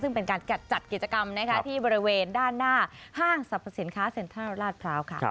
ซึ่งเป็นการจัดกิจกรรมที่บริเวณด้านหน้าห้างสรรพสินค้าเซ็นทรัลลาดพร้าวค่ะ